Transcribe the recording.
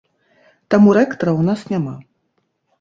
Таму рэктара ў нас няма.